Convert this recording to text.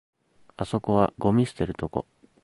あそこはゴミ捨てるとこ